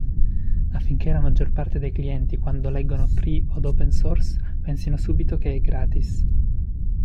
Affinché la maggior parte dei clienti quando leggono free od open source pensino subito che è gratis.